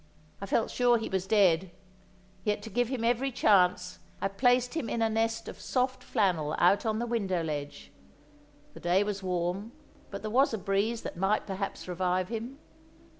I felt sure he was dead, yet to give him every chance, I placed him in a nest of soft flannel out on the window ledge; the day was warm, but there was a breeze that might perhaps revive him.